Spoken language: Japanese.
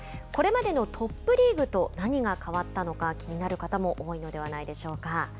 これまでのトップリーグと何が変わったのか気になる方も多いのではないでしょうか。